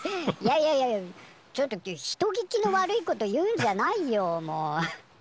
いやいやいやちょっと人聞きの悪いこと言うんじゃないよもう！